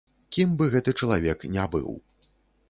Кім бы гэты чалавек не быў.